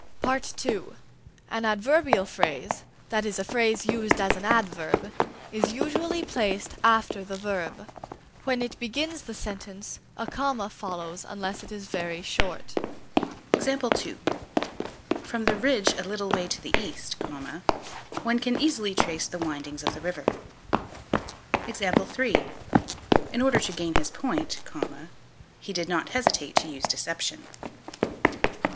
(2) An adverbial phrase, that is a phrase used as an adverb, is usually placed after the verb; when it begins the sentence, a comma follows it unless it is very short. From the ridge a little way to the east, one can easily trace the windings of the river. In order to gain his point, he did not hesitate to use deception.